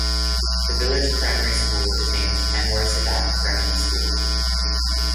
The village primary school is named Anwar Sadat Primary School.